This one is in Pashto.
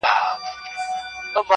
• سړي ښخ کئ سپي د کلي هدیره کي,